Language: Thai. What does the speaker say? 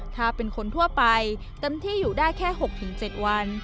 ถ้าเป็นคนทั่วไปเต็มที่อยู่ได้แค่๖๗วัน